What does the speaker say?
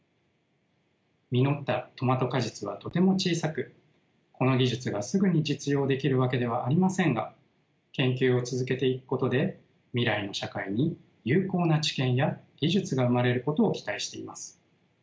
実ったトマト果実はとても小さくこの技術がすぐに実用できるわけではありませんが研究を続けていくことで未来の社会に有効な知見や技術が生まれることを期待しています。